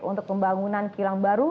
untuk pembangunan kilang baru